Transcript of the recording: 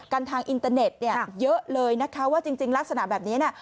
กันทางอินเตอร์เน็ตเยอะเลยนะคะว่าจริงลักษณะแบบนี้